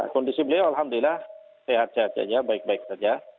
kondisi beliau alhamdulillah sehat sehat saja baik baik saja